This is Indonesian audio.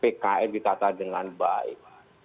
pkr dikatakan dengan baik